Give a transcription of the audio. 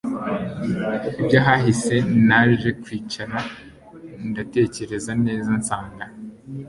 ibyahahise naje kwicara ndatekereza neza nsanga